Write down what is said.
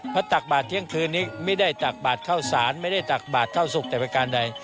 เพราะตักบาทเที่ยงคืนนี้ไม่ได้ตักบาทเข้าสารไม่ได้ตักบาทเข้าสุขแต่ประการใด